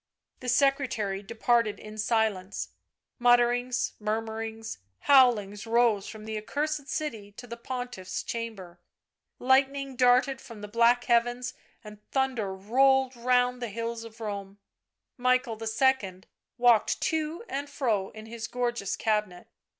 The secretary departed in silence. Mutterings, mur murings, howlings rose from the accursed city to the Pontiff's chamber ; lightning darted from the black heavens, and thunder rolled round the hills of Rome. Michael II. walked to and fro in his gorgeous cabinet.